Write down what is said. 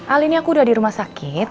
al ini aku udah di rumah sakit